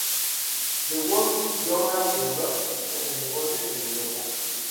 The Wall Street Journal Europe, sobre negocios en Europa.